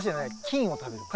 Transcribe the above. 菌を食べる。